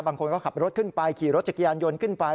บางคนก็ขับรถขึ้นไปขี่รถจักรยานยนต์ขึ้นไป